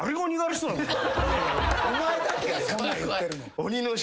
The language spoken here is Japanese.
お前だけやそんなん言ってるの。